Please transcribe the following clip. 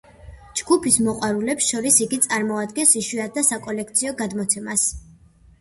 ჯგუფის მოყვარულებს შორის იგი წარმოადგენს იშვიათ და საკოლექციო გამოცემას.